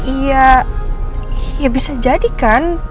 iya ya bisa jadi kan